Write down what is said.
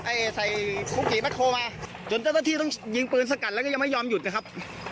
ใส่คุกเขีแบ็คโฮลมาจนเจ้าหน้าที่ต้องยิงปืนสกัดแล้วก็ยังไม่ยอมหยุดนะครับ